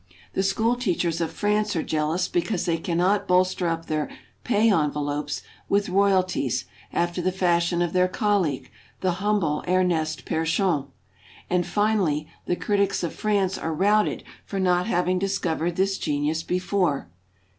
The school teachers of France are jeal ous because they cannot bolster up their pay envelopes with royalties after the fashion of their colleague, the humble Ernest P6rechon. And finally, the critics of France are routed for not having discovered this genius before.